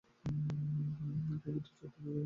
তিনি British ornithologists ইউনিয়নের সদস্যপদ লাভ করেন।